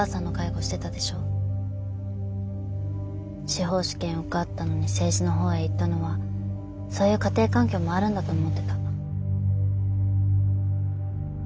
司法試験受かったのに政治の方へ行ったのはそういう家庭環境もあるんだと思ってた。